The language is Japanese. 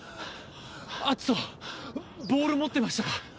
⁉篤斗ボール持ってましたか？